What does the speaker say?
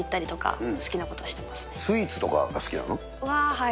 はい。